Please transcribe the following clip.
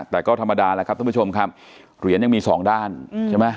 แต่ก็ธรรมดาแล้วครับท่านผู้ชมครับเหรียญยังมีสองด้านใช่ไหม